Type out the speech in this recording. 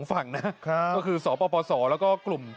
สมัยไม่เรียกหวังผม